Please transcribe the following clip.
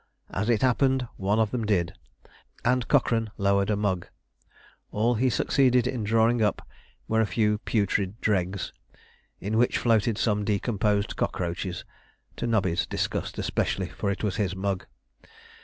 As it happened one of them did, and Cochrane lowered a mug. All he succeeded in drawing up were a few putrid dregs, in which floated some decomposed cockroaches to Nobby's disgust especially; for it was his mug.